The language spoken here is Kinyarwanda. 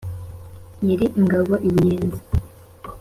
nyiri ingabo i buyenzi,